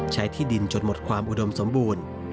ที่ดินจนหมดความอุดมสมบูรณ์